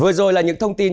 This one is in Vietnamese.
vừa rồi là những thông tin